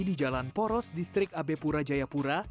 di jalan poros distrik abe pura jayapura